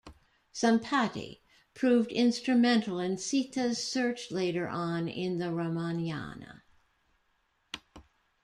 Sampati proved instrumental in Sita's search later on in the Ramayana.